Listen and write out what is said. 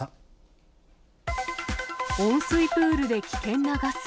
温水プールで危険なガス。